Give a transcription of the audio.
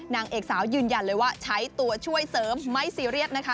นางเอกสาวยืนยันเลยว่าใช้ตัวช่วยเสริมไม่ซีเรียสนะคะ